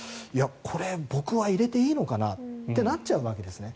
これ僕は入れていいのかな？ってなっちゃうわけですね。